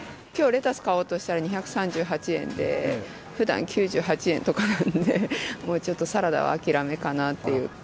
きょうレタス買おうとしたら２３８円で、ふだん９８円とかなんで、もうちょっとサラダは諦めかなっていう。